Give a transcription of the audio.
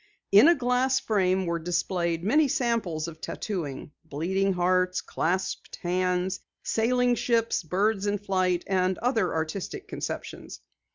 In a glass frame were displayed many samples of tattooing bleeding hearts, clasped hands, sailing ships, birds in flight and other artistic conceptions.